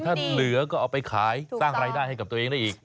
ถ้าเหลือก็เอาไปขายสร้างรายได้ให้กับตัวเองได้อีก